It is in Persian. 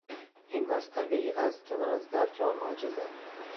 این مسئلهای است که من از درک آن عاجزم.